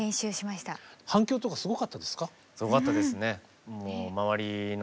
反響とかすごかったですか？